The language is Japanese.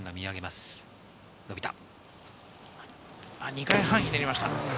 ２回半ひねりました。